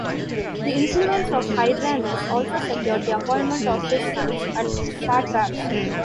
The influence of Hydarnes also secured the appointment of his sons as satraps.